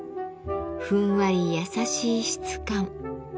ふんわりやさしい質感。